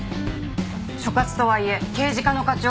所轄とはいえ刑事課の課長。